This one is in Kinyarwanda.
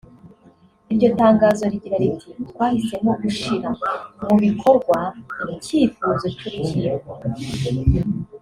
Iryo tangazo rigira riti “Twahisemo gushira mu bikorwa icyifuzo cy’urukiko